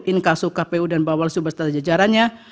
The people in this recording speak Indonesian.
inkasuh kpu dan bawal sub sub sub setelah jajarannya